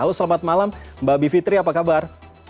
halo selamat malam mbak bivitri apa kabar